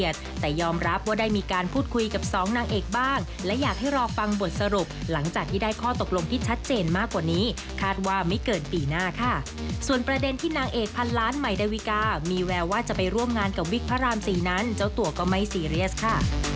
ส่วนประเด็นที่นางเอกพันล้านใหม่ดาวิกามีแววว่าจะไปร่วมงานกับวิกพระราม๔นั้นเจ้าตัวก็ไม่ซีเรียสค่ะ